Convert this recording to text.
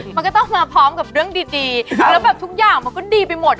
มันก็ต้องมาพร้อมกับเรื่องดีแล้วแบบทุกอย่างมันก็ดีไปหมด